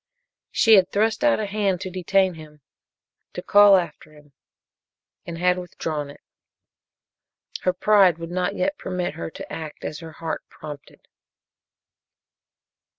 She had thrust out a hand to detain him to call after him and had withdrawn it. Her pride would not yet permit her to act as her heart prompted.